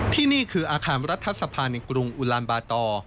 ที่นี่คืออาคารรัฐสภาในกรุงอุลานบาตอร์